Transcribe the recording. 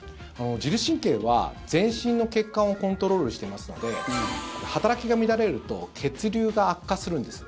自律神経は全身の血管をコントロールしていますので働きが乱れると血流が悪化するんです。